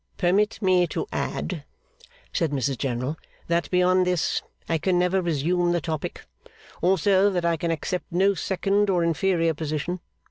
'Permit me to add,' said Mrs General, 'that beyond this, I can never resume the topic. Also that I can accept no second or inferior position.